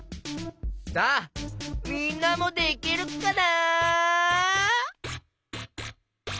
さあみんなもできるかな？